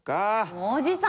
おじさん！